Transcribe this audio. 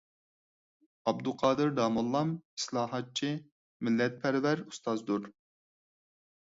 ئابدۇقادىر داموللام ئىسلاھاتچى، مىللەتپەرۋەر ئۇستازدۇر.